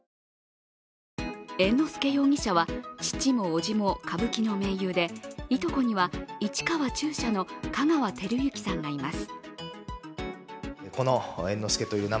猿之助容疑者は父も伯父も歌舞伎の名優でいとこには市川中車の香川照之さんがいます。